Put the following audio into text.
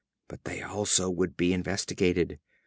But they also would be investigated.